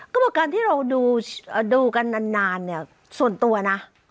ก็บอกการที่เราดูกันนานเนี่ยส่วนตัวนะ